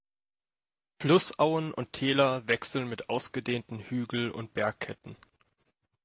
Flussauen und Täler wechseln mit ausgedehnten Hügel- und Bergketten.